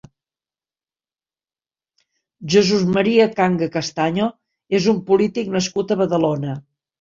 Jesús María Canga Castaño és un polític nascut a Badalona.